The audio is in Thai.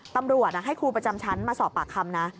ตำรวจให้ครูประจำชั้นมาสอบปากคำนะ